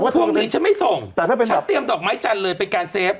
พวกนี้ฉันไม่ส่งฉันเตรียมดอกไม้จันทร์เลยเป็นการเซฟ